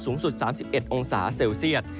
สูงสุด๓๑องศาเซลเซียต